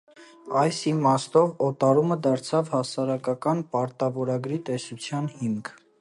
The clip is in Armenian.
Այս իմաստով՝ օտարումը դարձավ հասարակական պարտավորագրի տեսության հիմք։